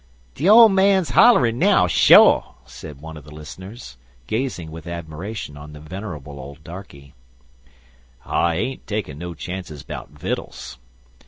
"De ole man's holler'n now sho'," said one of the listeners, gazing with admiration on the venerable old darkey. "I ain't takin' no chances 'bout vittles.